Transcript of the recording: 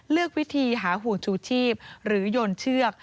เลือกวิธีหาห่วงชูชีพหรือโยนเชือก